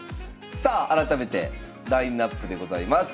さあ改めてラインナップでございます。